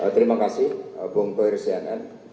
terima kasih bung koir sianen